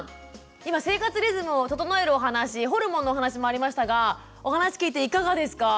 今生活リズムを整えるお話ホルモンのお話もありましたがお話聞いていかがですか？